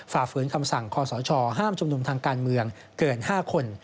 ฝ่าฝืนคำสั่งคอสชห้ามชุมนุมทางการเมืองเกิน๕คน